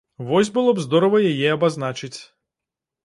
Вось было б здорава яе абазначыць.